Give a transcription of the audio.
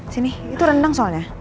sini itu rendang soalnya